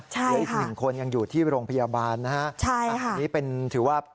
ใช่ค่ะอีก๑๑คนยังอยู่ที่โรงพยาบาลนะฮะอันนี้เป็นถือว่า